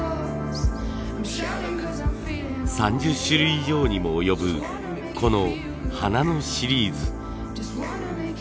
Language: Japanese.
３０種類以上にも及ぶこの花のシリーズ。